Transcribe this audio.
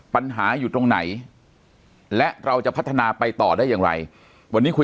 ปัญหาอยู่ตรงไหนและเราจะพัฒนาไปต่อได้อย่างไรวันนี้คุย